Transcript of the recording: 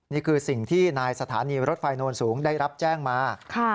นี่คือสิ่งที่นายสถานีรถไฟโนนสูงได้รับแจ้งมา